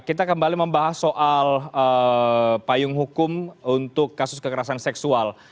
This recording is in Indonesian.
kita kembali membahas soal payung hukum untuk kasus kekerasan seksual